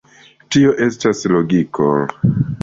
Tio estas logiko.